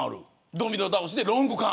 ドミノ倒しでロング缶。